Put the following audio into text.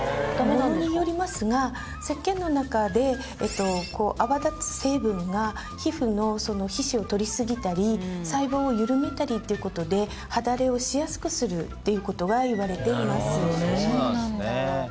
ものによりますがせっけんの中で泡立つ成分が皮膚の皮脂を取りすぎたり細胞を緩めたりっていうことで肌荒れをしやすくするってことがいわれています。